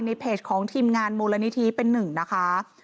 เพจของทีมงานมูลนิธิเป็นหนึ่งนะคะ